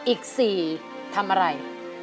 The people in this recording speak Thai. อีก๔ทำอะไร